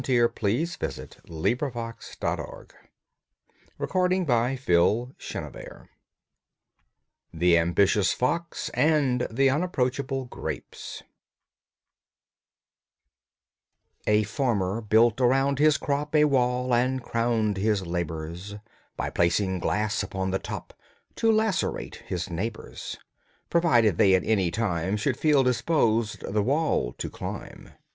"'J'ADMIRE,' SAID HE, 'TON BEAU PLUMAGE'" "AND SO A WEIGHTY ROCK SHE AIMED" THE AMBITIOUS FOX AND THE UNAPPROACHABLE GRAPES A farmer built around his crop A wall, and crowned his labors By placing glass upon the top To lacerate his neighbors, Provided they at any time Should feel disposed the wall to climb.